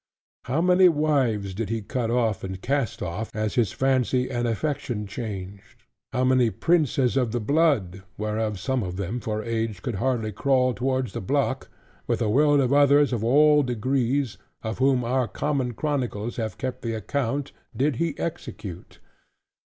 How many wives did he cut off, and cast off, as his fancy and affection changed? How many princes of the blood (whereof some of them for age could hardly crawl towards the block) with a world of others of all degrees (of whom our common chronicles have kept the account) did he execute?